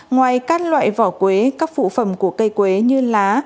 ngoài các loại vỏ quế các phụ phẩm của cây quế như lá